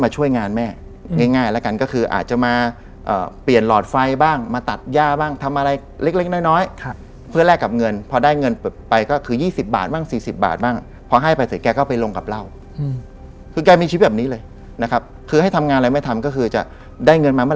จุดนั้นคืออะไรว่าดีก็คือทำหมด